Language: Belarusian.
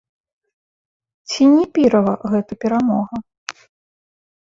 Ці не пірава гэта перамога?